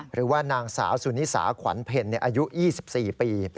หรือว่านางสาวสุนิสาขวัญเพลอายุ๒๔ปี